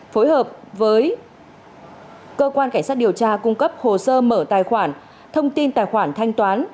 phối hợp với cơ quan cảnh sát điều tra cung cấp hồ sơ mở tài khoản thông tin tài khoản thanh toán